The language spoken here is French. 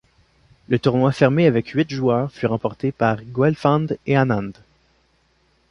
Le tournoi fermé avec huit joueurs fut remporté par Guelfand et Anand.